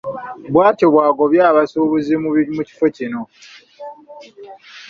Bw’atyo bw’agobye abasuubuzi mu kifo kino.